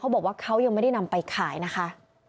บอกว่าเขายังไม่ได้นำไปขายนะคะ